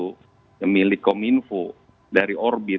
itu milik kominfo dari orbit